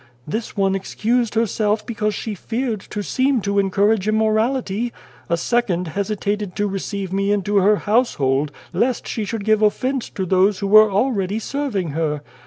This one excused herself because she feared to seem to encourage immorality ; a second hesitated to receive me into her household lest she should give offence to those who were already serving her.